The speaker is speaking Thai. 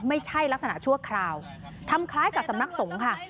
ไม่ใช่ลักษณะชั่วคราวทำคล้ายกับสำนักสงฆ์ค่ะ